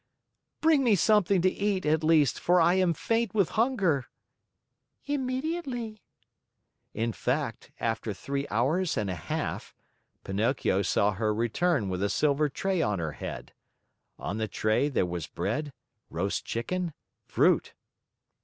"Bring me something to eat, at least, for I am faint with hunger." "Immediately!" In fact, after three hours and a half, Pinocchio saw her return with a silver tray on her head. On the tray there was bread, roast chicken, fruit.